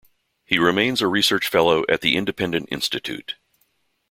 He remains a Research Fellow at the Independent Institute.